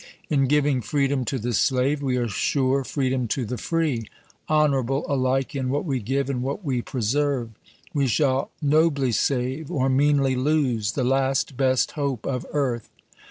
In giving freedom to the slave, we assure freedom to the free — honorable alike in what we give and what we preserve. We shall nobly save, or meanly lose, the last, best hope of earth.